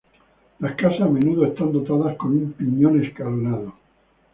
Las casas a menudo están dotadas con un "piñón escalonado".